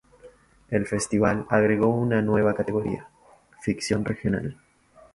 El festival agregó una nueva categoría: Ficción Regional.